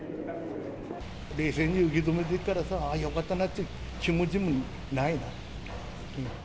冷静に受け止めてるからさ、ああ、よかったなっていう気持ちもないな。